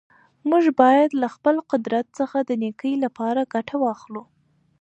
موږ باید له خپل قدرت څخه د نېکۍ لپاره ګټه واخلو.